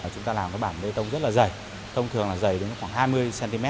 chúng ta làm cái bản bê tông rất là dày thông thường là dày đến khoảng hai mươi cm